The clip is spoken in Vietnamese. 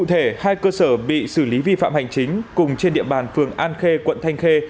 cụ thể hai cơ sở bị xử lý vi phạm hành chính cùng trên địa bàn phường an khê quận thanh khê